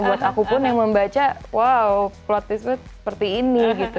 buat aku pun yang membaca wow plotis itu seperti ini gitu